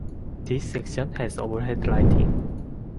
This section has overhead lighting.